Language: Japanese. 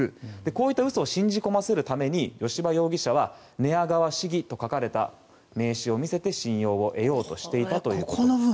こういった嘘を信じ込ませるために吉羽容疑者は寝屋川市議と書かれた名刺を見せて信用を得ようとしていたということです。